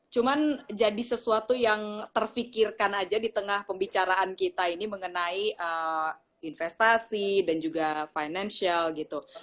cuma jadi sesuatu yang terfikirkan aja di tengah pembicaraan kita ini mengenai investasi dan juga financial gitu